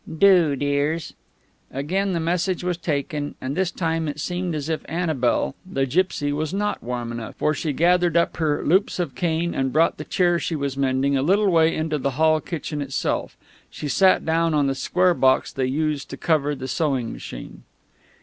"Do, dears." Again the message was taken, and this time it seemed as if Annabel, the gipsy, was not warm enough, for she gathered up her loops of cane and brought the chair she was mending a little way into the hall kitchen itself. She sat down on the square box they used to cover the sewing machine.